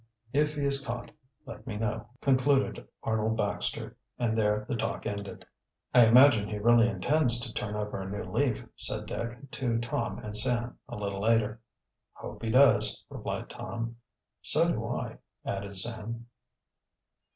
"If he is caught, let me know," concluded Arnold Baxter, and there the talk ended. "I imagine he really intends to turn over a new leaf," said Dick to Tom and Sam, a little later. "Hope he does," replied Tom. "So do I," added Sam.